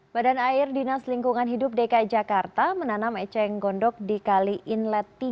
badan air dinas lingkungan hidup dki jakarta menanam eceng gondok di kali inlet tiga